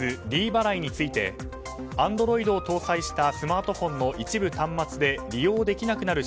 ｄ払いについてアンドロイドを搭載したスマートフォンの一部端末で利用できなくなる